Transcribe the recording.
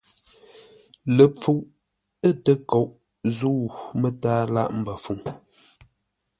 Ləpfuʼ ə̂ təkoʼ zə̂u mətǎa lâʼ mbəfuŋ.